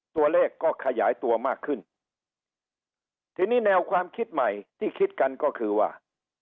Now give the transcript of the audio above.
ตัวเลขก็ขยายตัวมากขึ้นทีนี้แนวความคิดใหม่ที่คิดกันก็คือว่า